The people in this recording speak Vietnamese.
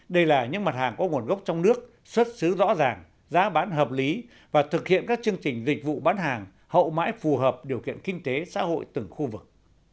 đây là những mặt hàng có nguồn gốc trong nước xuất xứ rõ ràng giá bán hợp lý và thực hiện các chương trình dịch vụ bán hàng hậu mãi phù hợp điều kiện kinh tế xã hội từng khu vực